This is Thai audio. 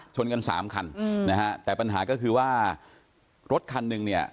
ชนกันสามคันนะฮะแต่ปัญหาก็คือว่ารถคันหนึ่งเนี่ย